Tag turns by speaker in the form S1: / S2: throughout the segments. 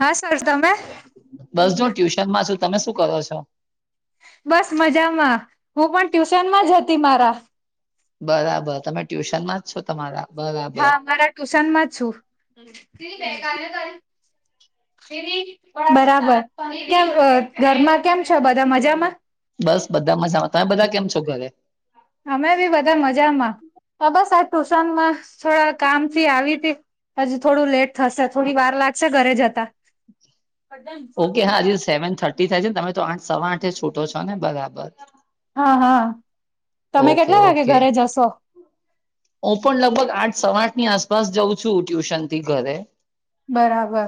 S1: હા સર તમે
S2: બસ, જો ટ્યુશનમાં છું. તમે શું કરો છો?
S1: બસ, મજામાં. હું પણ ટ્યુશનમાં જ હતી મારા
S2: બરાબર, તમે ટ્યુશનમાં જ છો તમારા?
S1: હા,
S2: બરાબર
S1: અમારા ટ્યુશનમાં છું. બરાબર. કે ઘરમાં કેમ છે? બધા મજામાં?
S2: બસ બધા મજામાં તમે બધા કેમ છો ઘરે
S1: અમે બી બધા મજામાં. હ, બસ આ ટુશનમાં થોડા કામથી આવી હતી. હજી થોડું લેટ થશે, થોડી વાર લાગશે ઘરે જતા.
S2: ઓકે, હા. હજી સેવન થર્ટી થાય છે ને? તમે તો આઠ સવા આઠે છૂટો છો ને, બરાબર? બસ.
S1: હા, હા. તમે કેટલા વાગે
S2: ઓકે
S1: ઘરે જશો?
S2: હું પણ લગભગ આઠ સવા આઠની આસપાસ જાઉં છું, ટ્યુશન થી ઘરે.
S1: બરાબર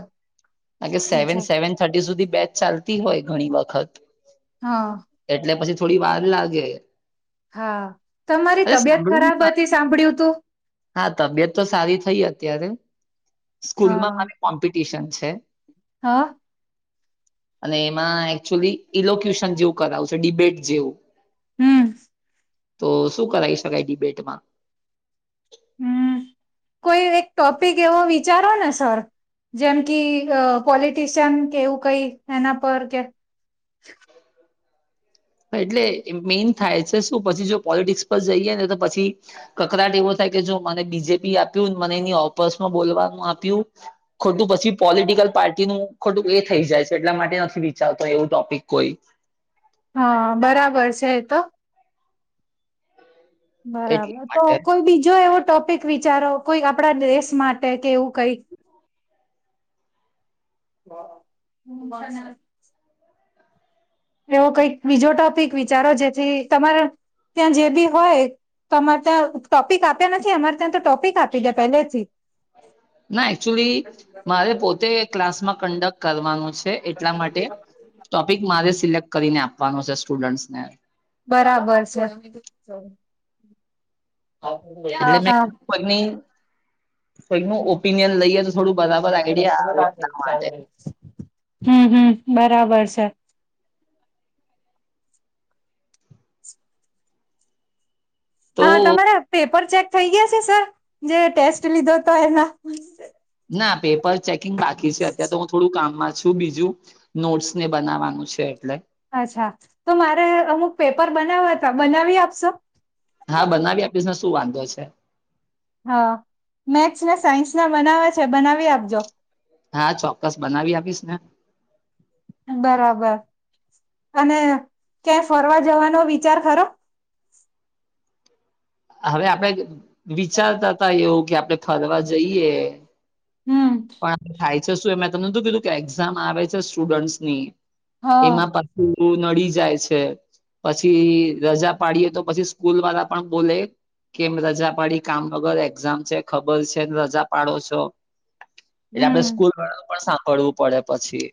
S2: સેવન
S1: અચ્છા
S2: સેવન થર્ટી સુધી. બેચ ચાલતી હોય ઘણી વખત.
S1: હા.
S2: એટલે પછી થોડી વાર લાગે.
S1: હા, તમારી
S2: અરે
S1: તબિયત
S2: સાંભળ્યું ને
S1: ખરાબ
S2: મા-
S1: હતી, સાંભળ્યું તું.
S2: હા, તબિયત તો સારી થઇ. અત્યારે સ્કૂલમાં
S1: હા
S2: મા કોમ્પિટિશન છે.
S1: હા.
S2: અને એમાં એકચુલી ઇલોક્યુશન જેવું કરાવુ છે, ડિબેટ જેવું.
S1: હમ
S2: તો શું કરાવી શકાય ડિબેટમાં?
S1: હમ, કોઈ એક ટોપિક એવો વિચારો ને સર. જેમ કે પોલિટિશિયન કે એવું કંઈ એના પર કે?
S2: હ. એટલે મેઈન થાય છે શું પછી? જો પોલિટિક્સ પર જઈએ ને, તો પછી કકરાટ એવો થાય. મને બીજેપી આપ્યું. મને એ ઓપસમાં બોલવાનું આપ્યું, ખોટું પછી પોલટ પાર્ટીનું ખોટું એ થઈ જાય છે, એટલા માટે નથી વિચારતો એવું ટોપિક કોઈ
S1: હા, બરાબર છે તો. બરાબર,
S2: એટલા
S1: તો
S2: માટે
S1: કોઈ બીજો એવો? ટોપિક વિચારો કોઈ આપણા દેશ માટે કે એવું કંઈ. બરાબર. એવો કંઈક બીજો ટોપિક વિચારો, જેથી તમારે ત્યાં જે બી હોય તો અમારે ત્યાં ટોપિક આપ્યા નથી. અમારે ત્યાં તો ટોપિક આપી દે પહેલેથી.
S2: ના, એક્ચ્યુઅલી મારે પોતે ક્લાસમાં કન્ડક્ટર કરવાનું છે. એટલા માટે ટોપિક મારે સિલેક્ટ કરીને આપવાનો છે સ્ટુડન્ટને.
S1: બરાબર છે.
S2: એટલે
S1: હા
S2: મે
S1: હા
S2: ન ઓપિનિયન લઈ.
S1: હ હ. બરાબર છે.
S2: તો
S1: હા, તમારે પેપર ચેક થઈ ગયા છે, સર? જે ટેસ્ટ લીધો હતો એના.
S2: ના પેપર ચેકિંગ બાકી છે, અત્યારે તો હું થોડું કામમાં પાછું બીજું નોટ્સ ને બનાવાનું છે, એટલે
S1: અચ્છા તો મારે અમુક પેપર બનાવવા હતા બનાવી આપશો
S2: હા બનાવી આપીને શું વાંધો છે.
S1: હ મેથ્સ ને સાયન્સ ના બનાવે છે, બનાવી આપજો
S2: હા ચોક્કસ બનાવી આપીશ ને
S1: બરાબર અને ક્યાંય ફરવા જવાનો વિચાર ખરો
S2: હવે આપડે વિચારતા હતા એવું કે આપણે ફરવા જઈએ
S1: હમ
S2: પણ થાય છે, શું મેં તમનેું કીધું કે એક્ઝામ આવે છે, સ્ટુડન્ટસ ની
S1: હા
S2: એમાં પછી નડી જાય છે, પછી રજા પાડીએ તો પછી સ્કૂલ વાલા પણ બોલે કેમ રજા પાડી કામનગર એક્ઝામ છે, ખબર છે, રજા પાડો છો એટલે આપડે
S1: હમ
S2: સ્કૂલ વાળુ પણ સાંભળવું પડે પછી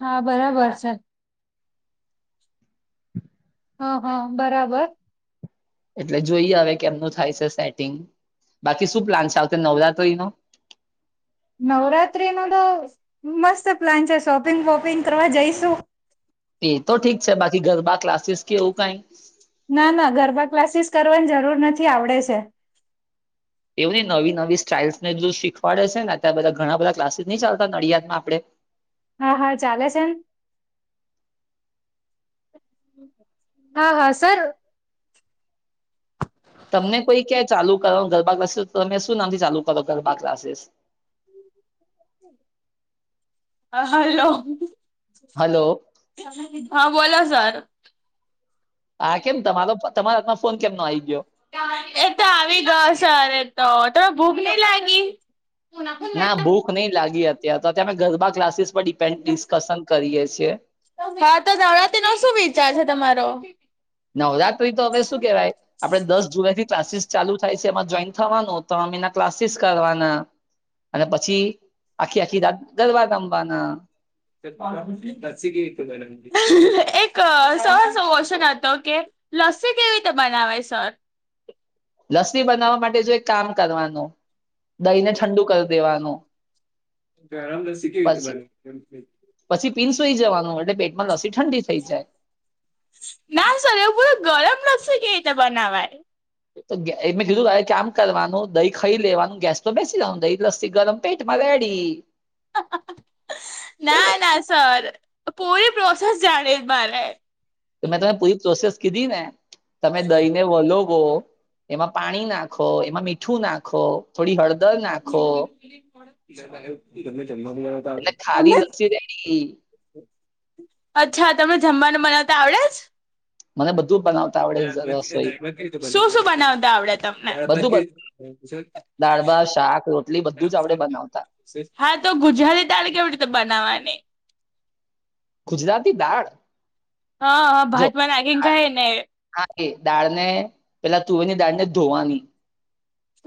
S1: હા બરાબર સર હ હ બરાબર
S2: એટલે જોઈએ હવે કે એમનું થાય છે, સેટિંગ બાકી શું પ્લાન છે, આવત નવરાત્ર એ નુ?
S1: નવરાત્રી નો તો મસ્ત પ્લાન છે, શોપિંગ વોપિંગ કરવા જઈશું
S2: એ તો ઠીક છે, બાકી ગરબા ક્લાસીસ કેવું કાઈ
S1: ના ના ગરબા ક્લાસીસ કરવાની જરૂર નથી આવડે છે.
S2: એવું નહી નવી નવી સ્ટાઇલ્સને જો શીખવાડે છે, ને ત્યાં બધા ઘણા બધા ક્લાસીસ નહી ચાલતા નડિયાદમાં આપણે
S1: હા હા ચાલે છે. હા હા સર
S2: તમને કોઈ કેય ચાલુ કરો ગરબા ક્લાસીસ તમે શું નામથી ચાલુ કરો ગરબા ક્લાસીસ હ
S1: હમ હા હેલો
S2: હલો
S1: હા બોલો સર
S2: હા કેમ તમારો તમારા હાથમાં ફોન કેમ ન આવી ગયો
S1: એ તો આવી ગયો સર એત તમે ભૂખ ની લાગી
S2: ના ભૂક નઈ લાગી અત્યારે તો અત્યારે ગરબા ક્લાસીસ પર ડિપેન્ડ ડિસ્કશન કરીએ છીએ
S1: હા તો નવરાતી નો શું વિચાર છે, તમારો?
S2: નવરાત્રી ત હવે શું કેવાય આપડે દસ જુલાઈ થી ક્લાસીસ ચાલુ થાય છે, એમાં જોઈન થવાનું તો અમે એના ક્લાસીસ કરવાના અને પછી આખી આખી રાત ગરબા રમવાના
S1: [unintelligible] એક સર શું ઓશન હતો કે લસ્સી કેવી રીતે બનાવે સર
S2: લસી બનાવવા માટે જો એક કામ કરવાનું દહી ને ઠંડુ કર દેવાનું.
S1: [inaudible]
S2: પીંસોઈ જવાનું એટલે પેટમાં લસી ઠંડી થઈ જાય
S1: ના સર એવું પૂરું ગરમ લખશે કેવી રીતે બનાવાય
S2: તો એં કીધું તારે કામ કરવાનું દહી ખાઈ લેવાનું ગેસ તો બેસી જાવાનું દહી લસ્સી ગરમ પેટ મારે કડી.
S1: ના ના સર પૂરી પ્રોસેસ જાણે મારે
S2: તો મેં તમે પૂરી પ્રોસેસ કીધી ને તમે દહી ને વલો વો એમાં પાણી નાખો એમાં મીઠું નાખો થોડી હળ
S1: [inaudible]
S2: એટલે ખારી લસ્સી રેડી
S1: અચ્છા તમે જમવાનું મનાવ તા આવડે જ
S2: મને બધ
S1: શું શું બનાવતા આવડે તમને
S2: દાળભાત, શાક, રોટલી, બધું જ આવડે બનાવતા
S1: હા તો ગુજરાતી દાળ કેવી રીતે બનાવાની
S2: ગુજરાતી દાળ
S1: હા હા
S2: જો
S1: ભાતમાં નાખીને ખાય ને
S2: હા દાળને પેલા તુવેરની દાળને ધોવાની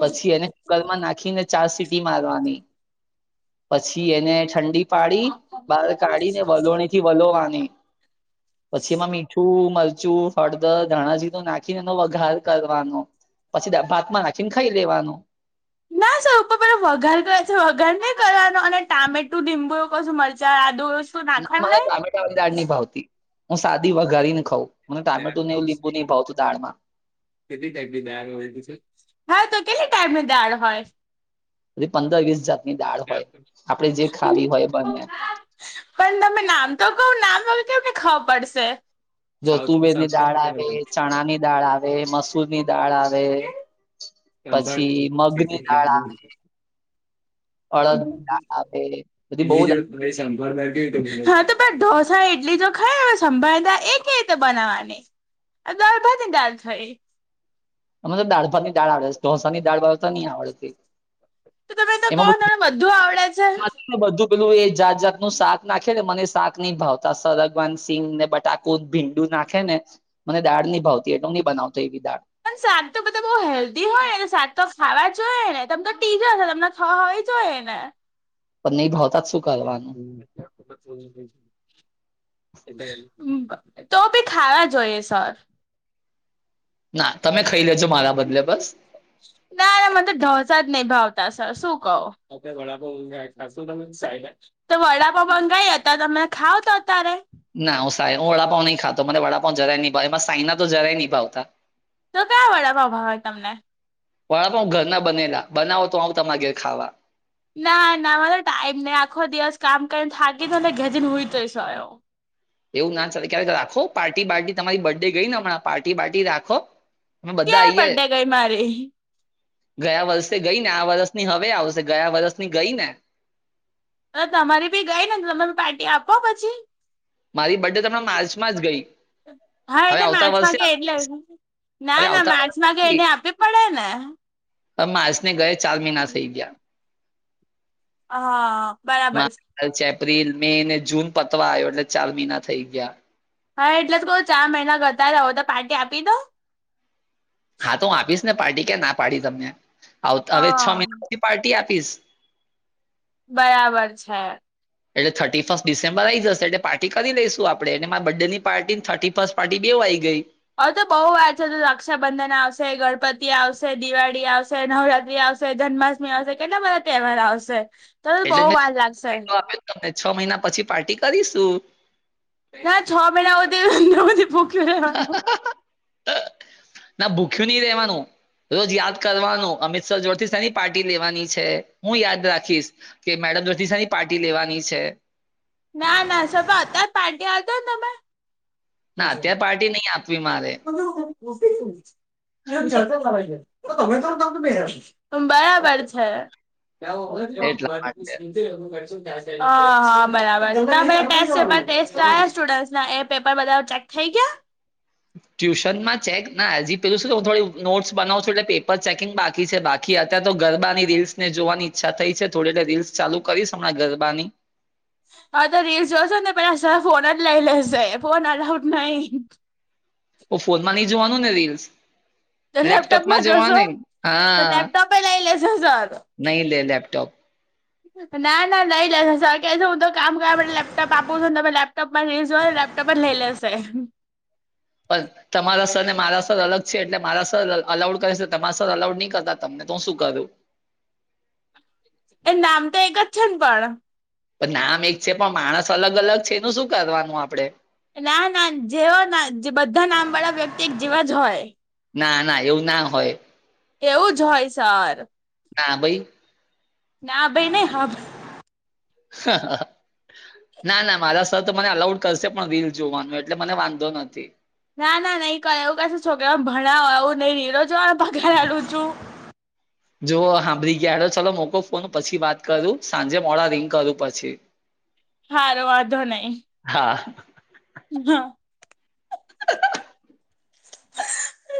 S2: પછી એને કુકલમાં નાખીને ચાર સીટી મારવાની પછી એને ઠંડી પાડી બહાર કાઢી ને વલોણીથી વલોવાની પછી એમાં મીઠું મરચું, ફળદર, ધાણાજીરું, નાખીને એનો વઘાર કરવાનો પછી ભાતમાં ના ખીને ખાઈ લેવાનું
S1: પેલા વઘાર કરે છે, વઘાર ન કરવાનો અને ટામેટું લીંબુ કશું મરચા, આદુ, વસ્તુ
S2: ના
S1: નાખવાનું
S2: મને
S1: નહી
S2: ટામેટા વાળુ દાળની ભાવતી હું સાદી વઘારી ને ખવ મને ટામેટુ ને એવું લીંબુની ભાવતું દાળમાં
S1: કેટલી ટાઈપની દાળ હા તો કેટલી ટાઈપની હોય
S2: બધી પંદર વીસ જાતની દાળ હોય આપડે જે ખાવી હોય બને
S1: પણ તમે નામ તો કવ નામ અમને કેવી રીતે ખબર પડશે.
S2: જો તુંવેરની દાળ, આવે ચણાની દાળ, આવે મસૂરની દાળ આવે પછી મગની દાળ આવે
S1: [unintelligible] અલા
S2: અડદની દાળ આવે બધી
S1: હું
S2: બહુ
S1: જે
S2: દાળ
S1: ભાઈ શંભાર [unintelligible] હા તો પણ ઢોસા ઈડલી જો ખાય હવે સંભાર એ કે રીતે બનાવવાની આ દાળભાતની દાળ થઈ
S2: અમે તો દાળભાતની દાળ આવડે ઢોસાની દાળ તો ની આવડતી
S1: તો તમે તો કહો
S2: એમાં
S1: તમને આવડે છે
S2: બધું [unintelligible] બધુ પેલું એ જાત જાતનું શાક નાખે ને મને શાક ની ભાવતા સરગવાની સિંગ ને બટાકું ભીંડુ નાખે ને મને દાળની ભાવતી એ તો ની બનાવતો એવી દાળ
S1: પણ શાક તો બધા બો હેલ્ધી હોય ને શાક તો ખાવા જોઈ ને તમ તો ટીચર તમને છે, હોય જોય ને.
S2: પણની ભાવતા શું કરવાનું
S1: [inaudible] તો ભી ખાવા જોઈએ સર
S2: ના તમે ખાઈ લેજો મારા બદલે બસ
S1: ના ના મનેતો ઢોસા જ નહી ભાવતા સર શું કહો તો વડાપાવ મંગાય હતા તમે ખાવ તો અત્યારે
S2: ના હું સા હું વડાપાવ નય ખાતો મને વડાપાવ જરાય ની ભાવે સાઈના તો જરાયની ભાવતા
S1: તો કયા વાડાપાવ ભાવે તમને
S2: વડાપાવ ઘરના બનેલા બનાવો તો આવુ તમારે ઘેરે ખાવા
S1: ના ના મારો ટાઈમ નય આખો દિવસ કામ કરીને થાકી જયને ઘર જઈને સૂઈ જાવ
S2: એવું ના ચાલે ક્યારેક રાખો પાર્ટી બાર્ટી તમારી બર્ડે ગઈ ને હમણાં પાર્ટી બાર્ટી રાખો અમે બધા
S1: ક્યારે
S2: આઈએ
S1: બર્થડે ગઈ મારી
S2: ગયા વર્ષે ગઈ ને આ વર્ષ ની હવે આવશે ગયા વર્ષની ગઈ ને
S1: હ તમારી ભી ગઈ ને તમે પાર્ટી આપો પછી
S2: મારી બડે તમને મા
S1: હા એટલે
S2: વર્ષે
S1: માર્ચમાં કે એટલે
S2: આવી.
S1: ના
S2: હવે
S1: ના
S2: આવતા
S1: માર્ચમા ગેયને આપી પડે ને
S2: હ માર્ચને ગયા ચાર મહિના થઈ ગયા
S1: હા. બરાબર છે
S2: માર્ચ, એપ્રિલ, મે ને જૂન પતવા આવ્યો એટલે ચાર મહિના થઈ ગયા
S1: હા એટલેજ તો કહું ચાર મહિના ગતા રહા. હવે તો પાર્ટી આપી દો.
S2: હા તો હું આપીશ ને પાર્ટી કે ના પાડીશ તમને. આવ
S1: હ
S2: હવે છો મહિના પછી પાર્ટી આ ફીસ.
S1: બરાબર છે.
S2: એટલે થર્ટી ફર્સ્ટ ડિસેમ્બર આઈ જશે એટલે પાર્ટી કરી લઈશું આપણે એને મારા બર્થડેની પાર્ટી ને થર્ટી ફર્સ્ટ પાર્ટી બેઉ પાઈ ગઈ.
S1: હવે તો બહુ વાર છે. તો રક્ષાબંધન આવશે, ગણપતિ આવશે, દિવાળી આવશે, નવરાત્રી આવ વશે, જન્માષ્ટમી આવશે કેટલા બધા તહેવાર આવશે. તો બહુ
S2: એટલે મેં
S1: વાર લાગશે
S2: ફાયદો આપ્યો તમને છો મહિના પછી પાર્ટી કરીશું.
S1: ના છો હૂંદી એટલું બધું ભૂખ્યું રહેવાના
S2: ના ભૂખ્યું નહી રેવાનું રોજ યાદ કરવાનું અમિત સર જોડથી શેની પાર્ટી લેવાની છે. હું યાદ રાખીશ કે મેં ડ દ સાની પાર્ટી લેવાની છે.
S1: ના ના સર પર અત્યાર પાર્ટી આલ દો ને તમે.
S2: ના અત્યાર પાર્ટી નહીં આપ
S1: [unintelligible] બરાબર છે. હા
S2: એટલા માટે
S1: હા બરાબર. ના પેહલા ટેસ્ટે પેપર ટેસ્ટ આયા સ્ટુડ ના એ પેપર બધા ચેક થઇ ઈ ગ્યા.
S2: ટ્યુશનમાં ચેક ના એજી પેલું શું હું થોડી નોટ્સ બનાવ છ એટલે પેપર ચેકિંગ બાકી છે બાકી અત્યારે તો ગરબાની રીલ્સ ને જોવાની ઈચ્છા થઈ છે થોડી રીલ્સ ચાલુ કરીશ હમણાં ગરબાની.
S1: હા તો રીલ જોશો ને પેલા ફોન જ લઈ લેશે. ફોન અલાઉટ નહી.
S2: ઓ ફોનમાં નહી જોવાનું ને રીલ્સ.
S1: તો
S2: લેપટોપમાં જોવા
S1: જોશો
S2: નહીં
S1: તો
S2: હા
S1: લેપટોપે લઈ લેશે સર
S2: નહી લે લેપટોપ.
S1: ના ના નઈ લે સર ક હું તો કામ કર લેપટોપ આપું છું ને તમે લેપટોપમાં રિલીઝ જો લેપટોપ અજ લેઈ લેશે.
S2: [inaudible] પણ તમારા સરને મારા સર અલગ છે એટલે મારા સર અલાઉડ કરે છે તમારા સર અલાઉડ નહી કરતા તમને. તો હું શું કરું.
S1: પણ નામ તો એક જ છે પણ.
S2: પણ નામ એક છે પણ માણસ અલગ અલગ છે એનું શું કરવાનું આપડે?
S1: ના ના તેગ જેવા જ હોય.
S2: ના ના એવું ના હોય.
S1: કેવું જ હોય સર.
S2: ના ભઈ.
S1: ના ભઈ નહીં હા ભ
S2: હા. ના ના મારા સર તો મને અલાઉડ કરશે પણ રીલ જોવાનું એટલે મને વાંધો નથી.
S1: ના ના નહી કરે એવું કશું છોકરા ભણાવય આવું નહી નીરો જો પગારડું છું.
S2: [inaudible] જો હાંભડી ગયા હેડો ચલો મોકો ફોન પછી વાત કરું સાંજે મોડા રિંગ કરું પછી.
S1: હારો વાંધો નહી.
S2: હા
S1: હા. [unintelligible]